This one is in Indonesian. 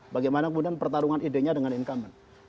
bagaimana kemudian pertarungan idenya dengan incumbent